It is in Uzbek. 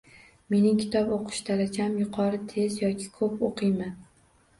Mening kitob oʻqish darajam yuqori, tez yoki koʻp oʻqiyman